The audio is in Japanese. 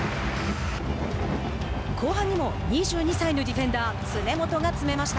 後半にも２２歳のディフェンダー常本が詰めました。